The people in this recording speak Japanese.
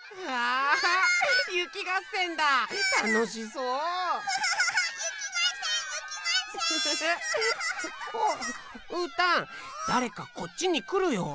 うーたんだれかこっちにくるよ。